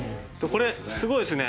これすごいですね。